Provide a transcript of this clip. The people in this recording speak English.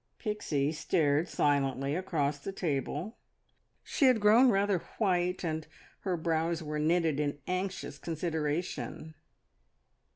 Pixie stared silently across the table. She had grown rather white, and her brows were knitted in anxious consideration.